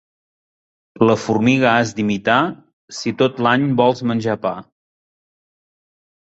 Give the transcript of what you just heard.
La formiga has d'imitar, si tot l'any vols menjar pa.